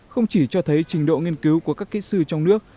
không chỉ cho thấy trình độ nghiên cứu của các kỹ sư trong nước